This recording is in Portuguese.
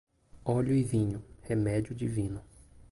Óleo e vinho, remédio divino.